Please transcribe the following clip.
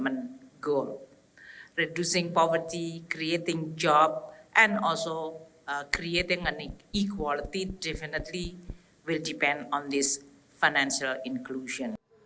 menurunkan kekurangan menciptakan pekerjaan dan menciptakan keadilan pasti akan bergantian pada inklusi keuangan